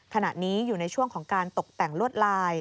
ขณะนี้อยู่ในช่วงของการตกแต่งลวดลาย